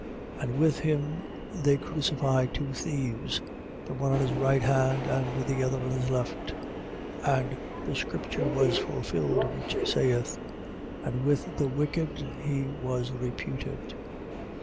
15:27. And with him they crucify two thieves: the one on his right hand, and the other on his left. 15:28. And the scripture was fulfilled, which saith: And with the wicked he was reputed.